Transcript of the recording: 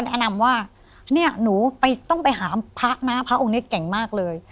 แนมว่าเนี่ยนูไปต้องไปหาภาพนะภาพองแม่แก่งมากเลย